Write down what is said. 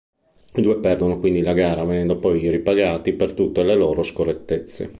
I due perdono quindi la gara, venendo poi ripagati per tutte le loro scorrettezze.